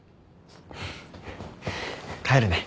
帰るね。